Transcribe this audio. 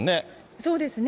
そうですね。